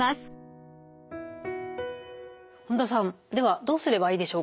本田さんではどうすればいいでしょうか？